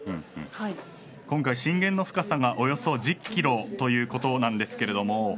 今回震源の深さがおよそ１０キロということなんですけれども。